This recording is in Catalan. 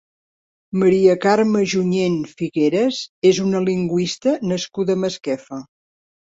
Maria Carme Junyent Figueras és una lingüista nascuda a Masquefa.